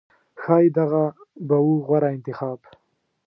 ښایي دغه به و غوره انتخاب